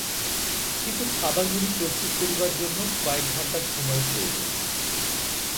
কিন্তু খাবারগুলি প্রস্তুত করিবার জন্য কয়েক ঘণ্টা সময়ের প্রয়োজন।